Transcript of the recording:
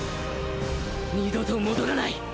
二度と戻らない。